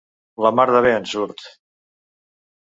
La mar de bé, ens surt.